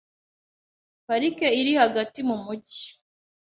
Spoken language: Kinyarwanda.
Parike iri hagati mu mujyi .